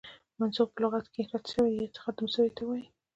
منسوخ په لغت کښي رد سوی، يا ختم سوي ته وايي.